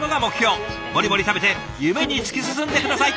もりもり食べて夢に突き進んで下さい！